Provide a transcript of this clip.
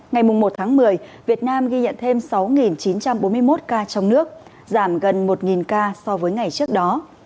ngày một tháng một mươi việt nam ghi nhận thêm sáu chín trăm bốn mươi một ca trong nước giảm gần một ca so với ngày trước đó